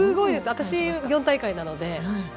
私、４大会なので。